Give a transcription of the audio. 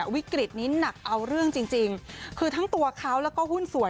วิกฤตนี้หนักเอาเรื่องจริงคือทั้งตัวเขาแล้วก็หุ้นสวย